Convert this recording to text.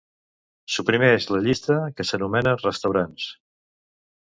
Suprimeix la llista que s'anomena "restaurants".